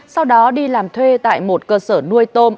sau đó đi làm thuê tại một cơ sở nuôi tôm